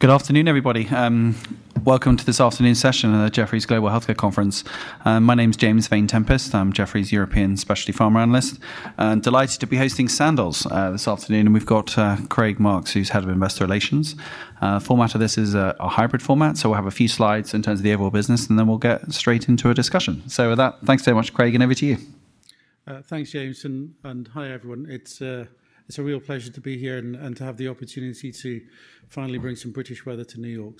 Good afternoon, everybody. Welcome to this afternoon's session of the Jefferies Global Healthcare Conference. My name is James Vane Tempest. I'm Jefferies' European Specialty Pharma analyst, and delighted to be hosting Sandoz this afternoon. We've got Craig Marks, who's Head of Investor Relations. The format of this is a hybrid format, so we'll have a few slides in terms of the overall business, and then we'll get straight into a discussion. With that, thanks so much, Craig, and over to you. Thanks, James, and hi everyone. It's a real pleasure to be here and to have the opportunity to finally bring some British weather to New York.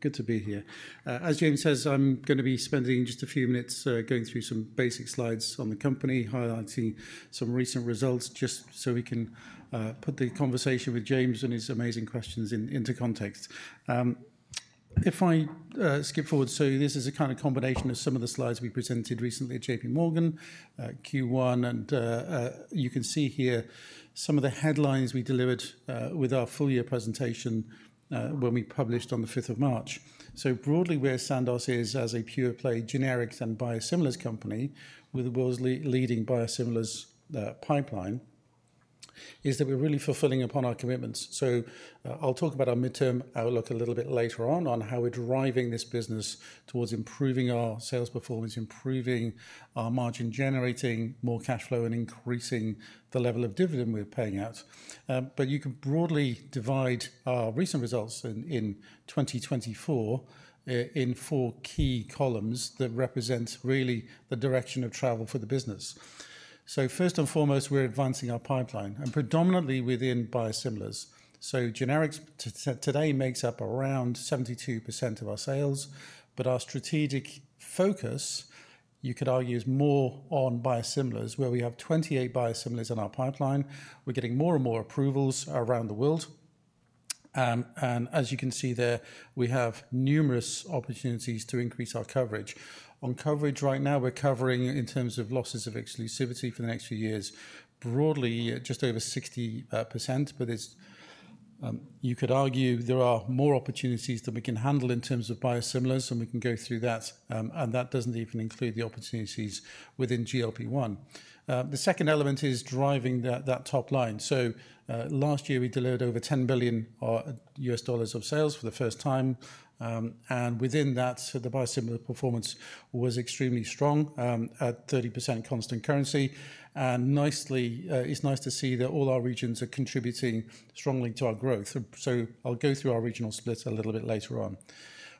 Good to be here. As James says, I'm going to be spending just a few minutes going through some basic slides on the company, highlighting some recent results, just so we can put the conversation with James and his amazing questions into context. If I skip forward, this is a kind of combination of some of the slides we presented recently at J.P. Morgan, Q1, and you can see here some of the headlines we delivered with our full-year presentation when we published on the 5th of March. Broadly, where Sandoz is as a pure-play generics and biosimilars company, with the world's leading biosimilars pipeline, is that we're really fulfilling upon our commitments. I'll talk about our midterm outlook a little bit later on, on how we're driving this business towards improving our sales performance, improving our margin, generating more cash flow, and increasing the level of dividend we're paying out. You can broadly divide our recent results in 2024 in four key columns that represent really the direction of travel for the business. First and foremost, we're advancing our pipeline, and predominantly within biosimilars. Generics today makes up around 72% of our sales, but our strategic focus, you could argue, is more on biosimilars, where we have 28 biosimilars in our pipeline. We're getting more and more approvals around the world. As you can see there, we have numerous opportunities to increase our coverage. On coverage right now, we're covering in terms of losses of exclusivity for the next few years, broadly just over 60%, but you could argue there are more opportunities than we can handle in terms of biosimilars, and we can go through that. That doesn't even include the opportunities within GLP-1. The second element is driving that top line. Last year, we delivered over $10 billion of sales for the first time. Within that, the biosimilar performance was extremely strong at 30% constant currency. It's nice to see that all our regions are contributing strongly to our growth. I'll go through our regional splits a little bit later on.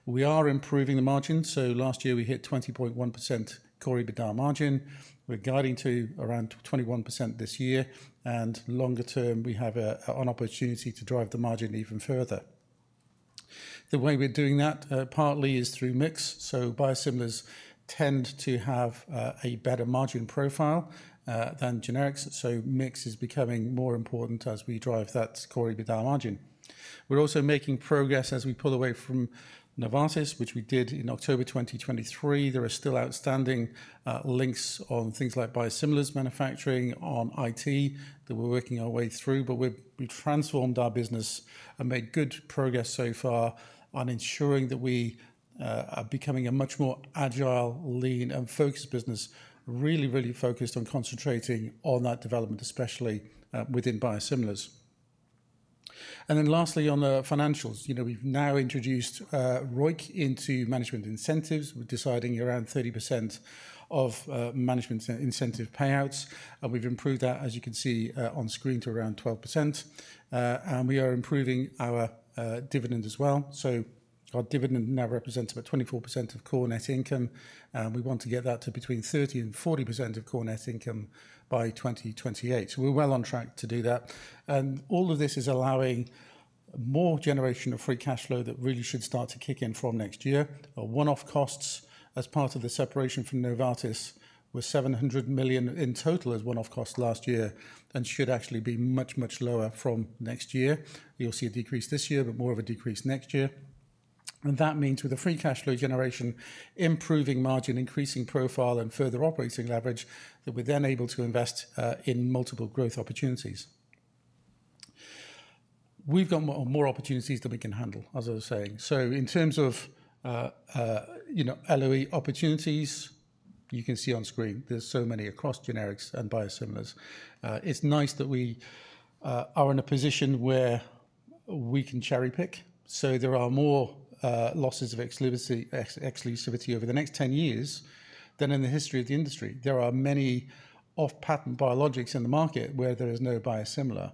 We are improving the margin. Last year, we hit 20.1% core EBITDA margin. We're guiding to around 21% this year. Longer term, we have an opportunity to drive the margin even further. The way we're doing that partly is through mix. So biosimilars tend to have a better margin profile than generics. So mix is becoming more important as we drive that core EBITDA margin. We're also making progress as we pull away from Novartis, which we did in October 2023. There are still outstanding links on things like biosimilars manufacturing, on IT that we're working our way through. But we've transformed our business and made good progress so far on ensuring that we are becoming a much more agile, lean, and focused business, really, really focused on concentrating on that development, especially within biosimilars. Lastly, on the financials, we've now introduced ROIC into management incentives. We're deciding around 30% of management incentive payouts. And we've improved that, as you can see on screen, to around 12%. We are improving our dividend as well. Our dividend now represents about 24% of core net income. We want to get that to between 30% and 40% of core net income by 2028. We're well on track to do that. All of this is allowing more generation of free cash flow that really should start to kick in from next year. One-off costs, as part of the separation from Novartis, were $700 million in total as one-off costs last year and should actually be much, much lower from next year. You'll see a decrease this year, but more of a decrease next year. That means with free cash flow generation, improving margin, increasing profile, and further operating leverage, we're then able to invest in multiple growth opportunities. We've got more opportunities than we can handle, as I was saying. In terms of LOE opportunities, you can see on screen, there's so many across generics and biosimilars. It's nice that we are in a position where we can cherry pick. There are more losses of exclusivity over the next 10 years than in the history of the industry. There are many off-patent biologics in the market where there is no biosimilar.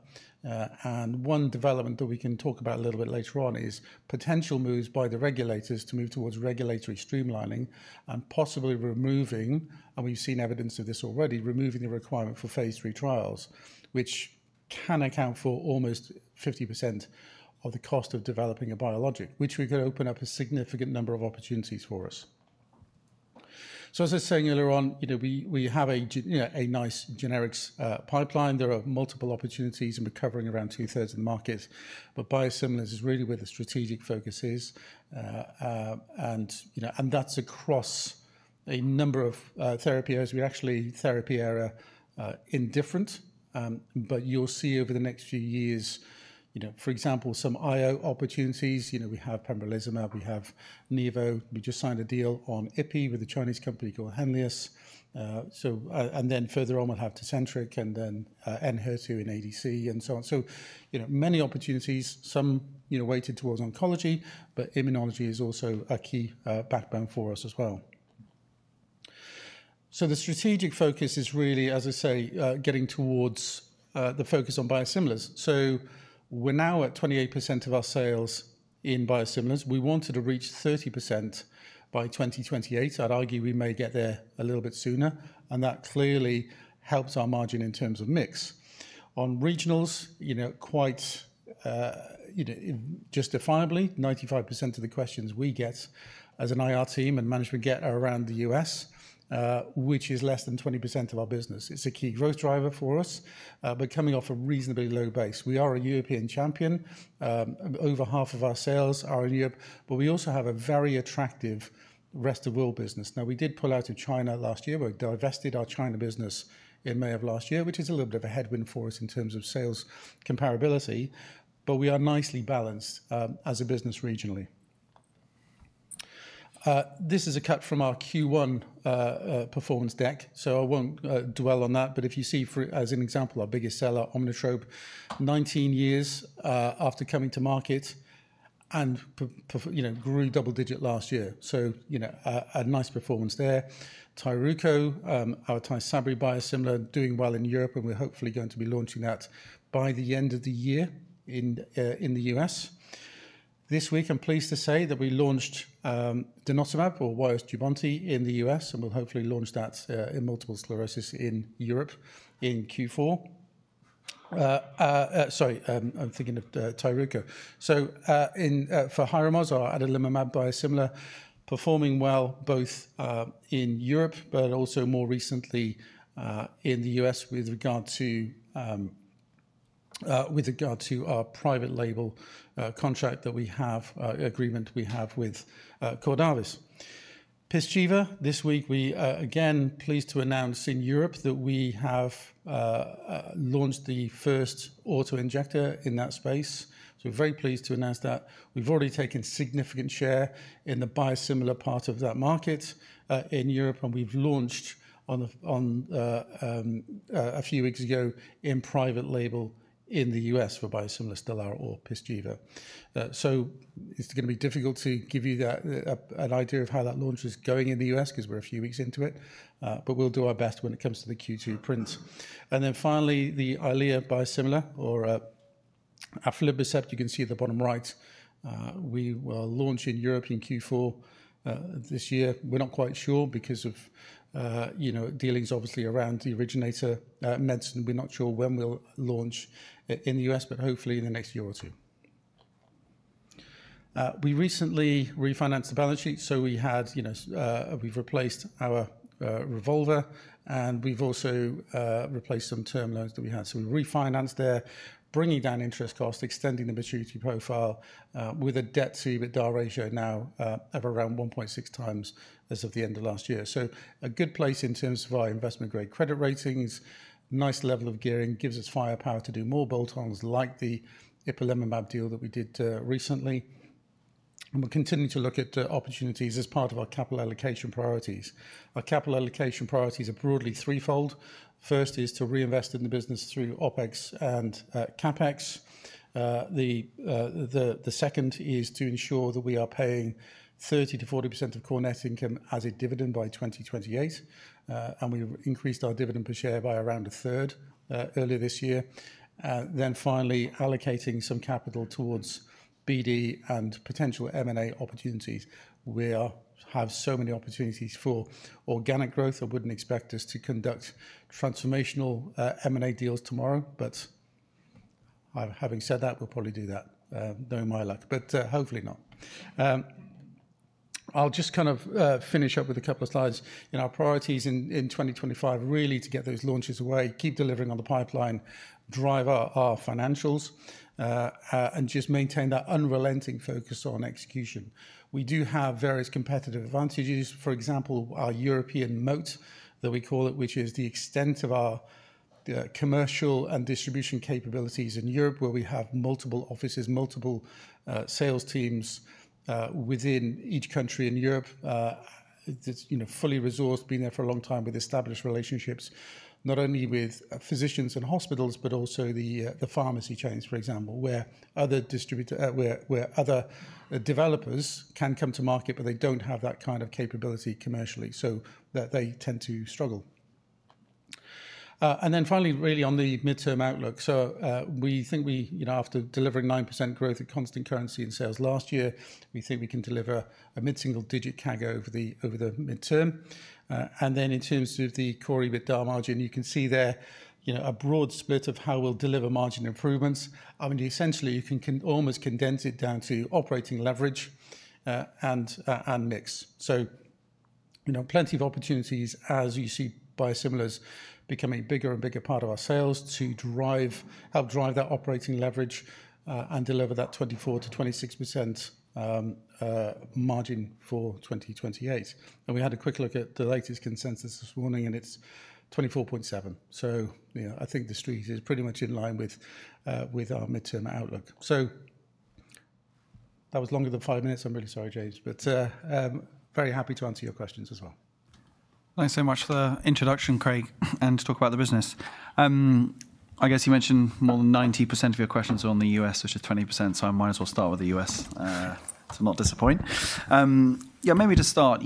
One development that we can talk about a little bit later on is potential moves by the regulators to move towards regulatory streamlining and possibly removing, and we've seen evidence of this already, removing the requirement for phase three trials, which can account for almost 50% of the cost of developing a biologic, which could open up a significant number of opportunities for us. As I was saying earlier on, we have a nice generics pipeline. There are multiple opportunities, and we're covering around 2/3 of the market. Biosimilars is really where the strategic focus is. That is across a number of therapy areas. We're actually therapy area indifferent. You'll see over the next few years, for example, some IO opportunities. We have pembrolizumab. We have Nivo. We just signed a deal on ipi with a Chinese company called Henlius. Further on, we'll have Tecentriq and then Enhertu in ADC and so on. There are many opportunities, some weighted towards oncology, but immunology is also a key backbone for us as well. The strategic focus is really, as I say, getting towards the focus on biosimilars. We're now at 28% of our sales in biosimilars. We wanted to reach 30% by 2028. I'd argue we may get there a little bit sooner. That clearly helps our margin in terms of mix. On regionals, quite justifiably, 95% of the questions we get as an IR team and management get are around the U.S., which is less than 20% of our business. It's a key growth driver for us, but coming off a reasonably low base. We are a European champion. Over half of our sales are in Europe. We also have a very attractive rest of world business. We did pull out of China last year. We divested our China business in May of last year, which is a little bit of a headwind for us in terms of sales comparability. We are nicely balanced as a business regionally. This is a cut from our Q1 performance deck. I won't dwell on that. If you see, as an example, our biggest seller, Omnitrope, 19 years after coming to market, grew double-digit last year. A nice performance there. Tyruko, our Tysabri biosimilar, doing well in Europe, and we're hopefully going to be launching that by the end of the year in the U.S. This week, I'm pleased to say that we launched denosumab, or Wyost /Jubonti, in the U.S., and we'll hopefully launch that in multiple sclerosis in Europe in Q4. Sorry, I'm thinking of Tyruko. For HYRIMOZ, adalimumab biosimilar, performing well both in Europe, but also more recently in the U.S. with regard to our private label contract, the agreement we have with Cordavis. Pyzchiva, this week, we are again pleased to announce in Europe that we have launched the first auto injector in that space. We're very pleased to announce that. We've already taken significant share in the biosimilar part of that market in Europe, and we've launched a few weeks ago in private label in the U.S. for biosimilar Stelara or Pyzchiva. It's going to be difficult to give you an idea of how that launch is going in the U.S. because we're a few weeks into it. We'll do our best when it comes to the Q2 prints. Finally, the Eylea biosimilar or aflibercept, you can see at the bottom right, we will launch in European Q4 this year. We're not quite sure because of dealings obviously around the originator medicine. We're not sure when we'll launch in the U.S., hopefully in the next year or two. We recently refinanced the balance sheet. We've replaced our revolver, and we've also replaced some term loans that we had. We refinanced there, bringing down interest costs, extending the maturity profile with a debt-to-EBITDA ratio now of around 1.6x as of the end of last year. A good place in terms of our investment-grade credit ratings, nice level of gearing, gives us firepower to do more bolt-ons like the ipilimumab deal that we did recently. We are continuing to look at opportunities as part of our capital allocation priorities. Our capital allocation priorities are broadly threefold. First is to reinvest in the business through OpEx and CapEx. The second is to ensure that we are paying 30%-40% of core net income as a dividend by 2028. We have increased our dividend per share by around a third earlier this year. Finally, allocating some capital towards BD and potential M&A opportunities. We have so many opportunities for organic growth. I wouldn't expect us to conduct transformational M&A deals tomorrow. Having said that, we'll probably do that, knowing my luck, but hopefully not. I'll just kind of finish up with a couple of slides. In our priorities in 2025, really to get those launches away, keep delivering on the pipeline, drive our financials, and just maintain that unrelenting focus on execution. We do have various competitive advantages. For example, our European moat, that we call it, which is the extent of our commercial and distribution capabilities in Europe, where we have multiple offices, multiple sales teams within each country in Europe. It's fully resourced, been there for a long time with established relationships, not only with physicians and hospitals, but also the pharmacy chains, for example, where other developers can come to market, but they don't have that kind of capability commercially, so that they tend to struggle. Finally, really on the midterm outlook. We think after delivering 9% growth in constant currency in sales last year, we think we can deliver a mid-single-digit CAGR over the midterm. In terms of the core EBITDA margin, you can see there a broad split of how we'll deliver margin improvements. I mean, essentially, you can almost condense it down to operating leverage and mix. Plenty of opportunities, as you see biosimilars becoming a bigger and bigger part of our sales to help drive that operating leverage and deliver that 24%-26% margin for 2028. We had a quick look at the latest consensus this morning, and it's 24.7%. I think the street is pretty much in line with our midterm outlook. That was longer than five minutes. I'm really sorry, James. Very happy to answer your questions as well. Thanks so much for the introduction, Craig, and to talk about the business. I guess you mentioned more than 90% of your questions are on the U.S., which is 20%. I might as well start with the U.S. to not disappoint. Yeah, maybe to start,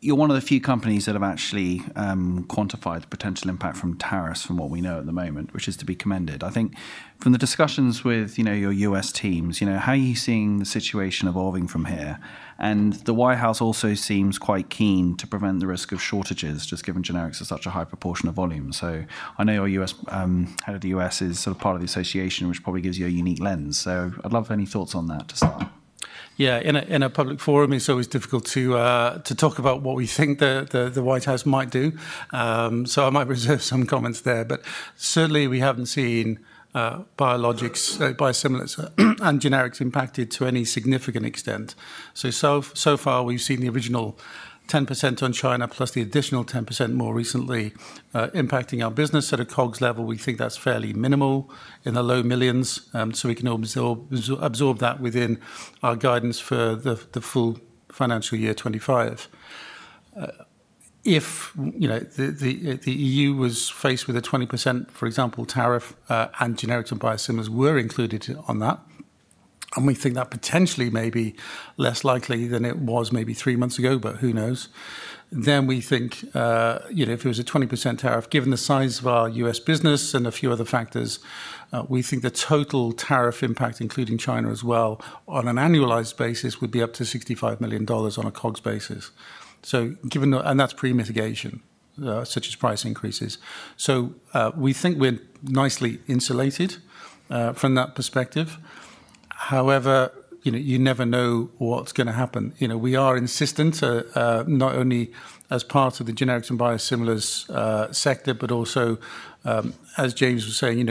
you're one of the few companies that have actually quantified the potential impact from tariffs from what we know at the moment, which is to be commended. I think from the discussions with your U.S. teams, how are you seeing the situation evolving from here? The White House also seems quite keen to prevent the risk of shortages, just given generics are such a high proportion of volume. I know your head of the U.S. is sort of part of the association, which probably gives you a unique lens. I'd love any thoughts on that to start. Yeah, in a public forum, it's always difficult to talk about what we think the White House might do. I might reserve some comments there. Certainly, we haven't seen biosimilars and generics impacted to any significant extent. So far, we've seen the original 10% on China, plus the additional 10% more recently impacting our business. At a COGS level, we think that's fairly minimal in the low millions. We can absorb that within our guidance for the full financial year 2025. If the EU was faced with a 20%, for example, tariff and generics and biosimilars were included on that, and we think that potentially may be less likely than it was maybe three months ago, but who knows, then we think if it was a 20% tariff, given the size of our U.S. business and a few other factors, we think the total tariff impact, including China as well, on an annualized basis would be up to $65 million on a COGS basis. That is pre-mitigation, such as price increases. We think we are nicely insulated from that perspective. However, you never know what is going to happen. We are insistent, not only as part of the generics and biosimilars sector, but also, as James was saying,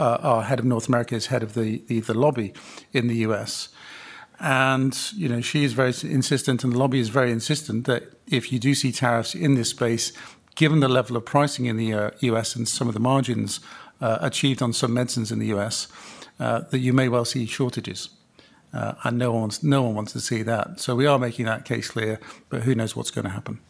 our Head of North America is head of the lobby in the U.S. She is very insistent, and the lobby is very insistent that if you do see tariffs in this space, given the level of pricing in the U.S. and some of the margins achieved on some medicines in the U.S., you may well see shortages. No one wants to see that. We are making that case clear, but who knows what's going to happen.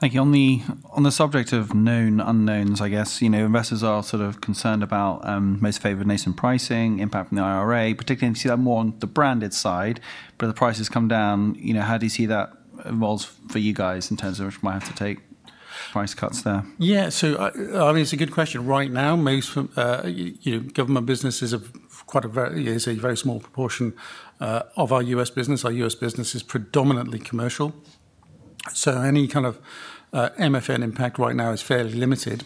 Thank you. On the subject of known unknowns, I guess investors are sort of concerned about most favored nation pricing, impact from the IRA, particularly if you see that more on the branded side. If the prices come down, how do you see that evolves for you guys in terms of what you might have to take? Price cuts there. Yeah, I mean, it's a good question. Right now, most government businesses are quite a very small proportion of our U.S. business. Our U.S. business is predominantly commercial. Any kind of MFN impact right now is fairly limited.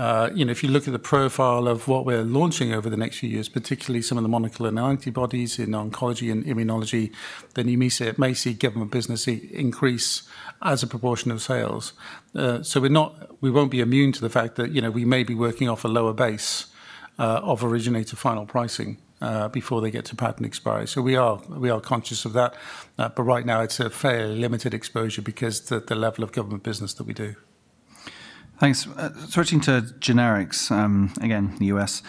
If you look at the profile of what we're launching over the next few years, particularly some of the monoclonal antibodies in oncology and immunology, then you may see government business increase as a proportion of sales. We will not be immune to the fact that we may be working off a lower base of originator final pricing before they get to patent expiry. We are conscious of that. Right now, it is a fairly limited exposure because of the level of government business that we do. Thanks. Switching to generics, again, the U.S.,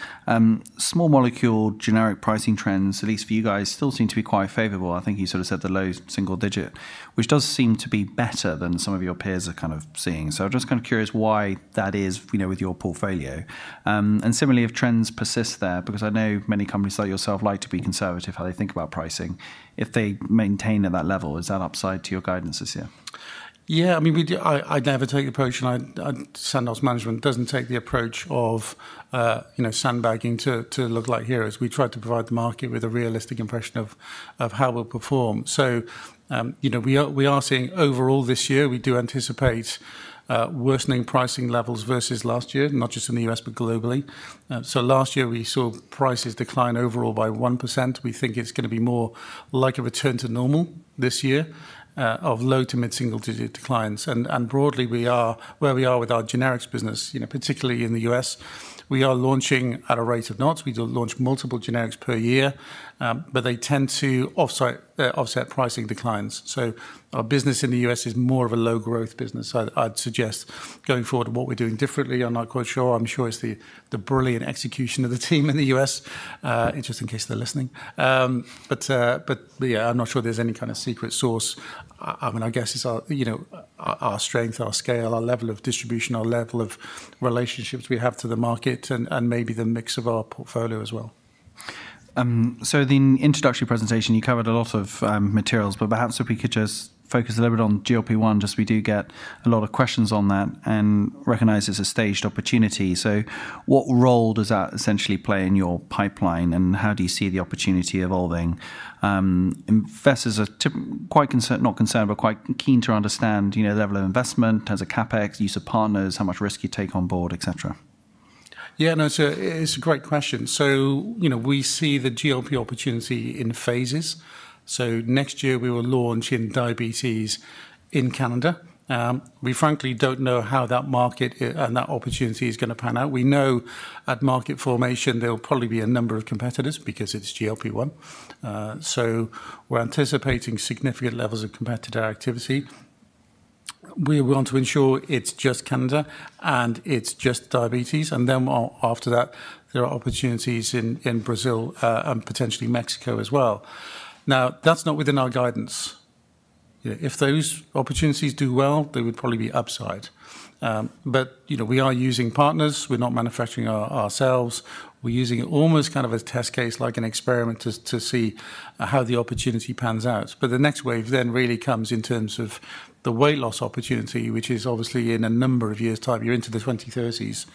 small molecule generic pricing trends, at least for you guys, still seem to be quite favorable. I think you sort of said the low single digit, which does seem to be better than some of your peers are kind of seeing. So I'm just kind of curious why that is with your portfolio. And similarly, if trends persist there, because I know many companies like yourself like to be conservative how they think about pricing. If they maintain at that level, is that upside to your guidance this year? Yeah, I mean, I'd never take the approach, and Sandoz Management doesn't take the approach of sandbagging to look like heroes. We try to provide the market with a realistic impression of how we'll perform. So we are seeing overall this year, we do anticipate worsening pricing levels versus last year, not just in the U.S., but globally. Last year, we saw prices decline overall by 1%. We think it's going to be more like a return to normal this year of low to mid-single digit declines. Broadly, where we are with our generics business, particularly in the U.S., we are launching at a rate of notch. We launch multiple generics per year, but they tend to offset pricing declines. Our business in the U.S. is more of a low-growth business. I'd suggest going forward, what we're doing differently, I'm not quite sure. I'm sure it's the brilliant execution of the team in the U.S., just in case they're listening. Yeah, I'm not sure there's any kind of secret sauce. I mean, I guess it's our strength, our scale, our level of distribution, our level of relationships we have to the market, and maybe the mix of our portfolio as well. The introductory presentation, you covered a lot of materials, but perhaps if we could just focus a little bit on GLP-1, just we do get a lot of questions on that and recognize it's a staged opportunity. What role does that essentially play in your pipeline, and how do you see the opportunity evolving? Investors are quite concerned, not concerned, but quite keen to understand the level of investment, in terms of CapEx, use of partners, how much risk you take on board, etc. Yeah, no, it's a great question. We see the GLP opportunity in phases. Next year, we will launch in diabetes in Canada. We frankly don't know how that market and that opportunity is going to pan out. We know at market formation, there will probably be a number of competitors because it's GLP-1. We're anticipating significant levels of competitor activity. We want to ensure it's just Canada and it's just diabetes. After that, there are opportunities in Brazil and potentially Mexico as well. That is not within our guidance. If those opportunities do well, they would probably be upside. We are using partners. We're not manufacturing ourselves. We're using it almost kind of as a test case, like an experiment to see how the opportunity pans out. The next wave then really comes in terms of the weight loss opportunity, which is obviously in a number of years' time. You're into the 2030s.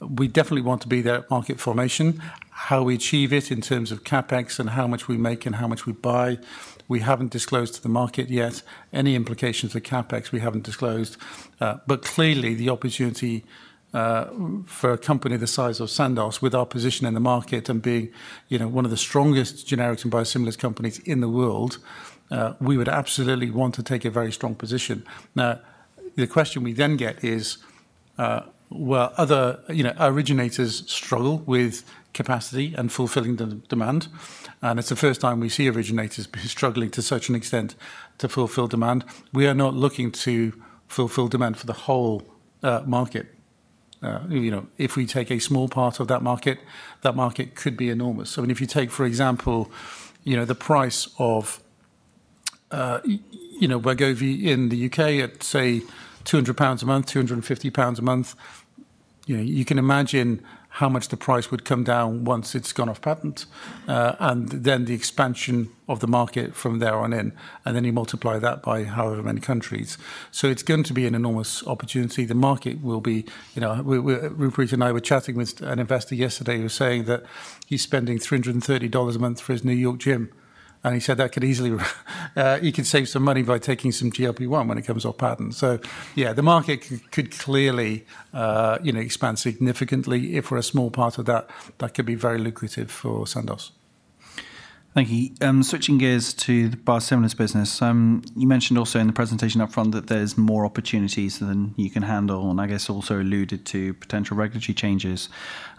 We definitely want to be there at market formation. How we achieve it in terms of CapEx and how much we make and how much we buy, we have not disclosed to the market yet. Any implications for CapEx, we have not disclosed. Clearly, the opportunity for a company the size of Sandoz, with our position in the market and being one of the strongest generics and biosimilars companies in the world, we would absolutely want to take a very strong position. The question we then get is, originators struggle with capacity and fulfilling the demand. It is the first time we see originators struggling to such an extent to fulfill demand. We are not looking to fulfill demand for the whole market. If we take a small part of that market, that market could be enormous. I mean, if you take, for example, the price of Wegovy in the U.K. at, say, 200 pounds a month, 250 pounds a month, you can imagine how much the price would come down once it has gone off patent and then the expansion of the market from there on in. Then you multiply that by however many countries. It is going to be an enormous opportunity. The market will be, Rupert and I were chatting with an investor yesterday who was saying that he is spending $330 a month for his New York gym. He said that he could easily save some money by taking some GLP-1 when it comes off patent. The market could clearly expand significantly. If we are a small part of that, that could be very lucrative for Sandoz. Thank you. Switching gears to the biosimilars business, you mentioned also in the presentation upfront that there are more opportunities than you can handle. I guess you also alluded to potential regulatory changes.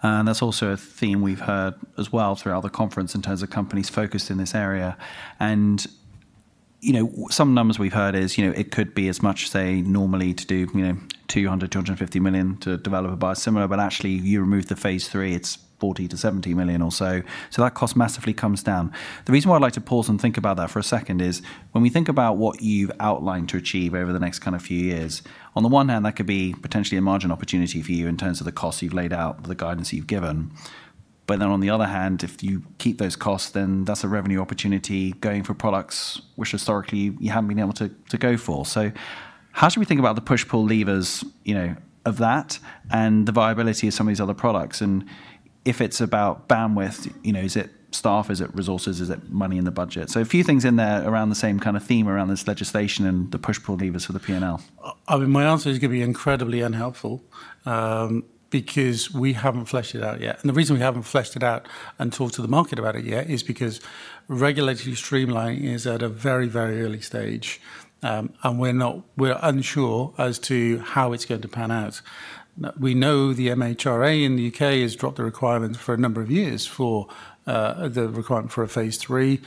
That is also a theme we have heard as well throughout the conference in terms of companies focused in this area. Some numbers we've heard is it could be as much, say, normally to do $200 million-$250 million to develop a biosimilar. Actually, you remove the phase III, it's $40 million-$70 million or so. That cost massively comes down. The reason why I'd like to pause and think about that for a second is when we think about what you've outlined to achieve over the next kind of few years, on the one hand, that could be potentially a margin opportunity for you in terms of the costs you've laid out, the guidance you've given. On the other hand, if you keep those costs, then that's a revenue opportunity going for products which historically you haven't been able to go for. How should we think about the push-pull levers of that and the viability of some of these other products? If it's about bandwidth, is it staff? Is it resources? Is it money in the budget? A few things in there around the same kind of theme around this legislation and the push-pull levers for the P&L. I mean, my answer is going to be incredibly unhelpful because we haven't fleshed it out yet. The reason we haven't fleshed it out and talked to the market about it yet is because regulatory streamlining is at a very, very early stage. We're unsure as to how it's going to pan out. We know the MHRA in the U.K. has dropped the requirement for a number of years for the requirement for a phase III.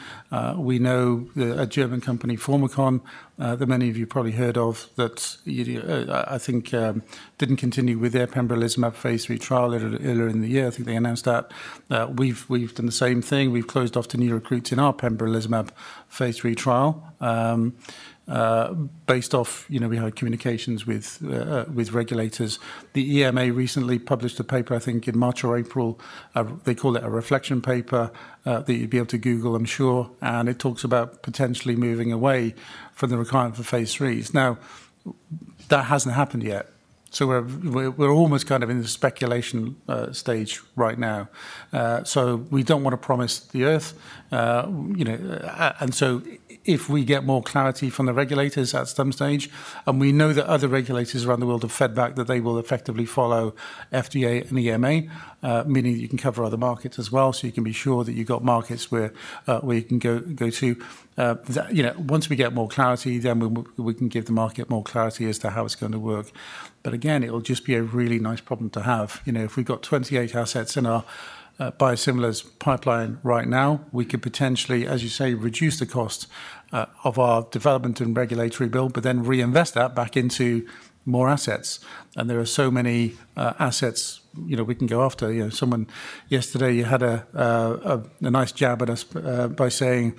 We know a German company, Formycon, that many of you probably heard of, that I think didn't continue with their pembrolizumab phase III trial earlier in the year. I think they announced that. We've done the same thing. We've closed off to new recruits in our pembrolizumab phase III trial based off we had communications with regulators. The EMA recently published a paper, I think in March or April. They call it a reflection paper that you'd be able to Google, I'm sure. It talks about potentially moving away from the requirement for phase III. That has not happened yet. We are almost kind of in the speculation stage right now. We do not want to promise the earth. If we get more clarity from the regulators at some stage, and we know that other regulators around the world have fed back that they will effectively follow FDA and EMA, meaning you can cover other markets as well. You can be sure that you have got markets where you can go to. Once we get more clarity, then we can give the market more clarity as to how it is going to work. Again, it will just be a really nice problem to have. If we have 28 assets in our biosimilars pipeline right now, we could potentially, as you say, reduce the cost of our development and regulatory bill, but then reinvest that back into more assets. There are so many assets we can go after. Yesterday, you had a nice jab at us by saying,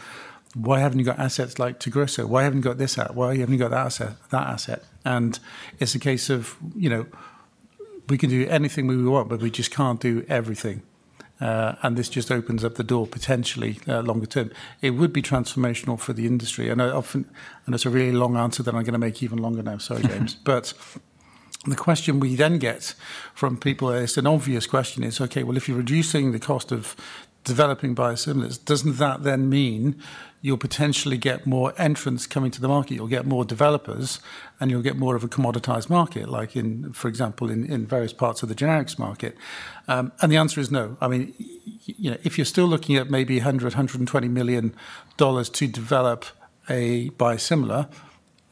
"Why have not you got assets like Tagrisso? Why have not you got this app? Why have not you got that asset?" It is a case of we can do anything we want, but we just cannot do everything. This just opens up the door potentially longer term. It would be transformational for the industry. It's a really long answer that I'm going to make even longer now. Sorry, James. The question we then get from people, it's an obvious question, is, "Okay, if you're reducing the cost of developing biosimilars, doesn't that then mean you'll potentially get more entrants coming to the market? You'll get more developers, and you'll get more of a commoditized market, like in, for example, in various parts of the generics market?" The answer is no. I mean, if you're still looking at maybe $100-$120 million to develop a biosimilar,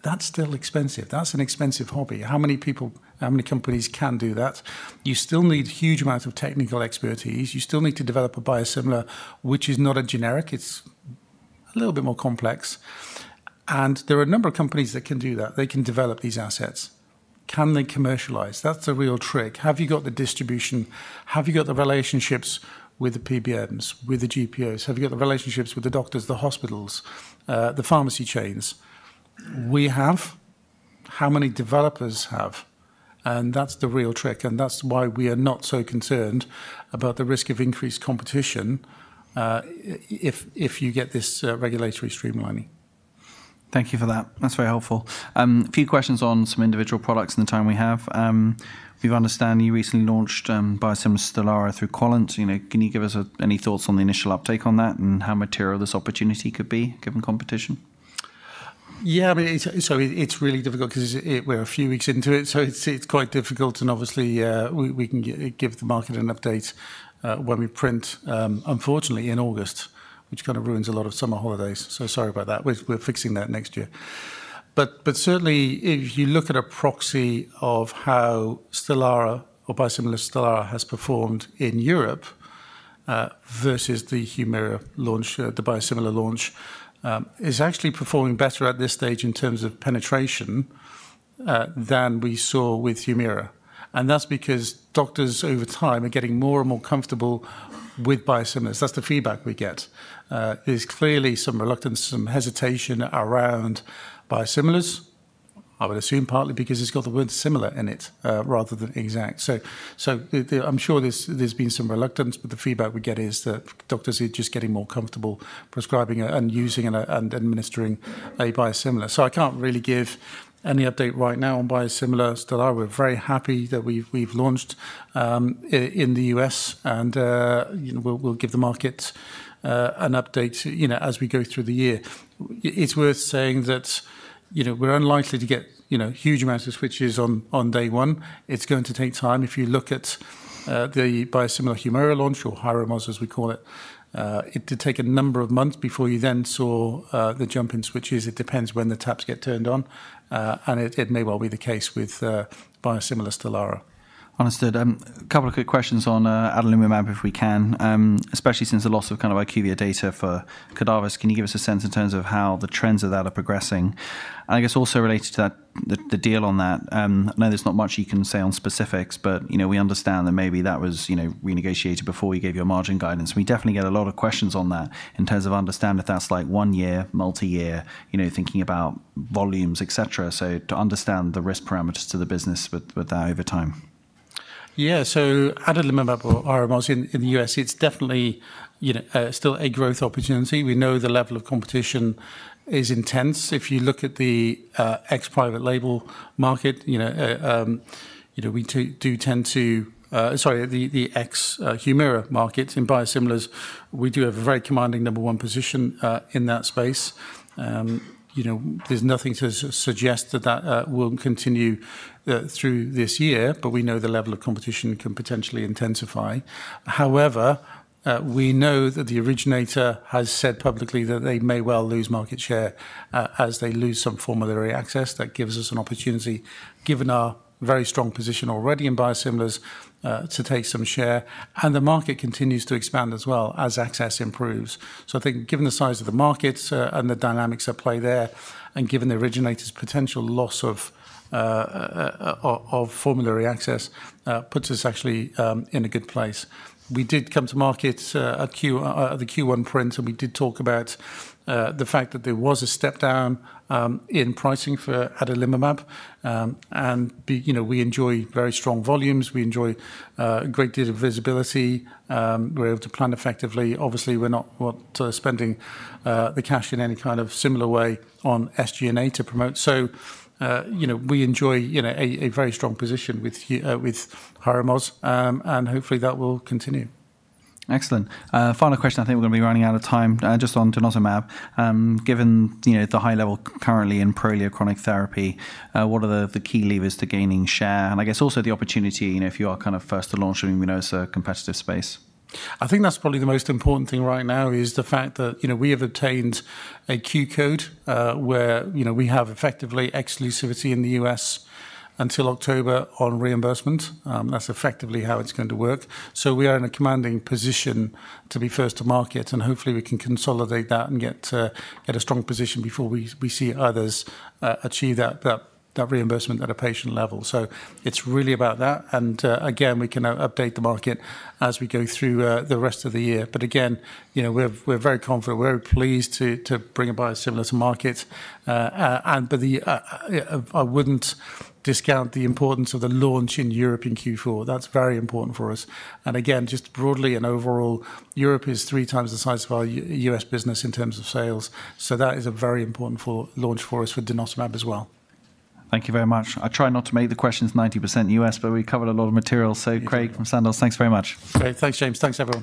that's still expensive. That's an expensive hobby. How many people, how many companies can do that? You still need a huge amount of technical expertise. You still need to develop a biosimilar, which is not a generic. It's a little bit more complex. There are a number of companies that can do that. They can develop these assets. Can they commercialize? That's the real trick. Have you got the distribution? Have you got the relationships with the PBMs, with the GPOs? Have you got the relationships with the doctors, the hospitals, the pharmacy chains? We have. How many developers have? That's the real trick. That's why we are not so concerned about the risk of increased competition if you get this regulatory streamlining. Thank you for that. That's very helpful. A few questions on some individual products in the time we have. We understand you recently launched biosimilars Stelara through Collins. Can you give us any thoughts on the initial uptake on that and how material this opportunity could be given competition? Yeah, I mean, it's really difficult because we're a few weeks into it. It's quite difficult. Obviously, we can give the market an update when we print, unfortunately, in August, which kind of ruins a lot of summer holidays. Sorry about that. We're fixing that next year. Certainly, if you look at a proxy of how Stelara or biosimilars Stelara has performed in Europe versus the HUMIRA launch, the biosimilar launch, it's actually performing better at this stage in terms of penetration than we saw with HUMIRA. That's because doctors over time are getting more and more comfortable with biosimilars. That's the feedback we get. There's clearly some reluctance, some hesitation around biosimilars, I would assume partly because it's got the word similar in it rather than exact. I'm sure there's been some reluctance, but the feedback we get is that doctors are just getting more comfortable prescribing and using and administering a biosimilar. I can't really give any update right now on biosimilars Stelara. We're very happy that we've launched in the U.S., and we'll give the market an update as we go through the year. It's worth saying that we're unlikely to get huge amounts of switches on day one. It's going to take time. If you look at the biosimilar HUMIRA launch or Hyrimoz, as we call it, it did take a number of months before you then saw the jump in switches. It depends when the taps get turned on. It may well be the case with biosimilars Stelara. Understood. A couple of quick questions on adalimumab if we can, especially since the loss of kind of IQVIA data for Cordavis. Can you give us a sense in terms of how the trends of that are progressing? I guess also related to that, the deal on that, I know there's not much you can say on specifics, but we understand that maybe that was renegotiated before you gave your margin guidance. We definitely get a lot of questions on that in terms of understanding if that's like one-year, multi-year, thinking about volumes, etc., to understand the risk parameters to the business with that over time. Yeah, so adalimumab or Hyrimoz, in the U.S., it's definitely still a growth opportunity. We know the level of competition is intense. If you look at the ex-private label market, sorry, the ex-HUMIRA market in biosimilars, we do have a very commanding number one position in that space. There's nothing to suggest that that will continue through this year, but we know the level of competition can potentially intensify. However, we know that the originator has said publicly that they may well lose market share as they lose some formulary access. That gives us an opportunity, given our very strong position already in biosimilars, to take some share. The market continues to expand as well as access improves. I think given the size of the market and the dynamics at play there, and given the originator's potential loss of formulary access, puts us actually in a good place. We did come to market at the Q1 print, and we did talk about the fact that there was a step down in pricing for adalimumab. We enjoy very strong volumes. We enjoy a great deal of visibility. We're able to plan effectively. Obviously, we're not spending the cash in any kind of similar way on SG&A to promote. We enjoy a very strong position with Hyrimoz, and hopefully that will continue. Excellent. Final question. I think we're going to be running out of time. Just on denosumab, given the high level currently in Prolia chronic therapy, what are the key levers to gaining share? I guess also the opportunity, if you are kind of first to launch in the immunosuppressive space. I think that's probably the most important thing right now, the fact that we have obtained a Q code where we have effectively exclusivity in the U.S. until October on reimbursement. That's effectively how it's going to work. We are in a commanding position to be first to market, and hopefully we can consolidate that and get a strong position before we see others achieve that reimbursement at a patient level. It's really about that. We can update the market as we go through the rest of the year. We are very confident. We are very pleased to bring a biosimilar to market. I would not discount the importance of the launch in Europe in Q4. That is very important for us. Just broadly and overall, Europe is three times the size of our U.S. business in terms of sales. That is a very important launch for us for denosumab as well. Thank you very much. I try not to make the questions 90% U.S., but we covered a lot of material. Craig from Sandoz, thanks very much. Thanks, James. Thanks everyone.